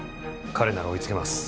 彼なら追いつけます。